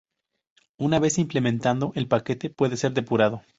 Una vez implementado el paquete puede ser depurado.